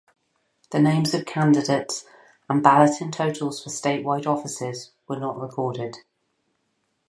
The names of candidates and balloting totals for statewide offices were not recorded.